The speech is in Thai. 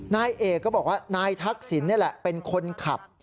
นายเอกก็บอกว่านายทักษิณนี่แหละเป็นคนขับ